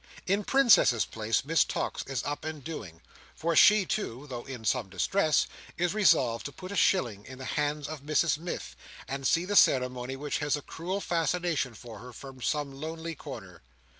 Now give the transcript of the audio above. In Princess's Place, Miss Tox is up and doing; for she too, though in sore distress, is resolved to put a shilling in the hands of Mrs Miff, and see the ceremony which has a cruel fascination for her, from some lonely corner.